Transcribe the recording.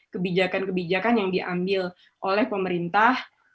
kebijakan kebijakan yang diambil oleh pemerintah